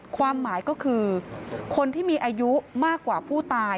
ความหมายก็คือคนที่มีอายุมากกว่าผู้ตาย